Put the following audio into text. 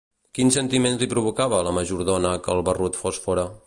Quins sentiments li provocava a la majordona que el barrut fos fora?